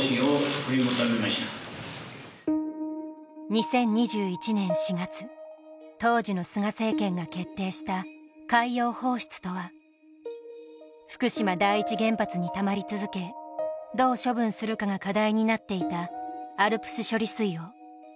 ２０２１年４月当時の菅政権が決定した海洋放出とは福島第一原発にたまり続けどう処分するかが課題になっていたＡＬＰＳ処理水を海に流すという方針でした。